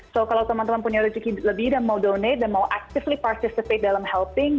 so kalau teman teman punya rezeki lebih dan mau donate dan mau actively participate dalam helping